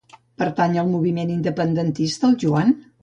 Pertany al moviment independentista el Joan?